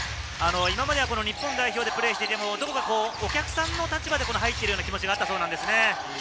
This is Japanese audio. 今までは日本代表でプレーしていても、どこかお客さんの立場で入っている気持ちがあったそうなんですね。